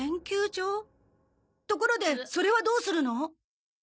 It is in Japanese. ところでそれはどうするの？